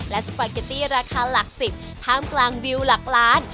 และสปาเกตตี้ราคาหลัก๑๐ท่ามกลางวิวหลักล้าน